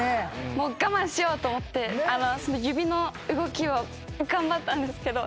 もう我慢しようと思って指の動きを頑張ったんですけど。